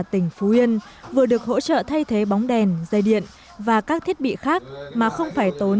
tỉnh phú yên vừa được hỗ trợ thay thế bóng đèn dây điện và các thiết bị khác mà không phải tốn